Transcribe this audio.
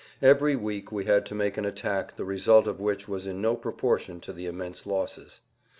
Every week we had to make an attack the result of which was in no proportion to the immense losses.